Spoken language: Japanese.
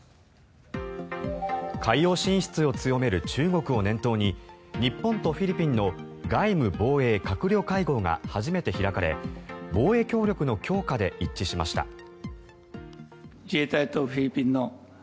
海洋進出を強める中国を念頭に日本とフィリピンの外務・防衛閣僚会合が初めて開かれ防衛協力の強化で一致しました。